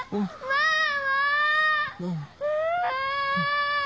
ママ。